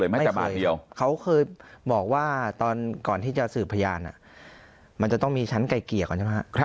แต่บาทเดียวเขาเคยบอกว่าตอนก่อนที่จะสืบพยานมันจะต้องมีชั้นไกลเกลี่ยก่อนใช่ไหมครับ